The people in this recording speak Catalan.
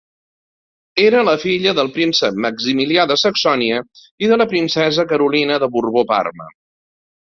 Era la filla del príncep Maximilià de Saxònia i de la princesa Carolina de Borbó-Parma.